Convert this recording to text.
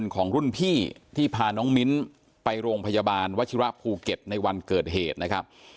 ของรุ่นพี่ที่พาน้องมิ้นไปโรงพยาบาลวัชิระภูเก็ตในวันเกิดเหตุนะครับ